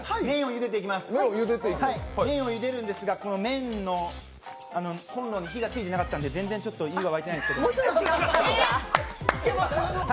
ゆでていくんですがコンロの火がついてなかったんで全然ちょっと湯が沸いてないんですけど。